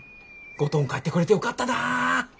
五島ん帰ってこれてよかったなぁ！